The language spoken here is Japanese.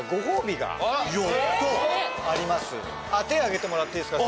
手あげてもらっていいですか？